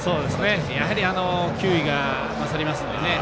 やはり球威が勝りますので。